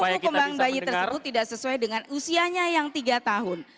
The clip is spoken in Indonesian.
pelaku kembang bayi tersebut tidak sesuai dengan usianya yang tiga tahun